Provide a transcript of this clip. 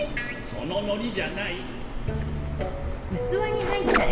そのノリじゃない。